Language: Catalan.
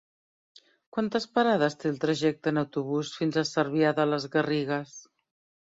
Quantes parades té el trajecte en autobús fins a Cervià de les Garrigues?